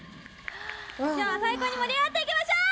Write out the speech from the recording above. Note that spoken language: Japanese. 「今日は最高に盛り上がっていきましょう！」